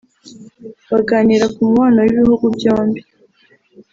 baganira ku mubano w’ibihugu byombi